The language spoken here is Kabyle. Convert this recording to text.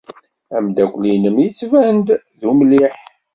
Ameddakel-nnem yettban-d d umliḥ.